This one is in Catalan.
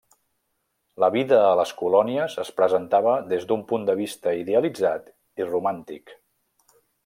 La vida a les colònies es presentava des d'un punt de vista idealitzat i romàntic.